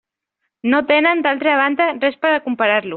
No tenen, d'altra banda, res per a comparar-lo.